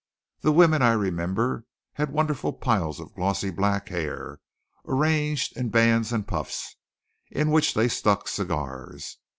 The women, I remember, had wonderful piles of glossy black hair, arranged in bands and puffs, in which they stuck cigars.